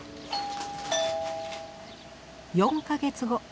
４か月後。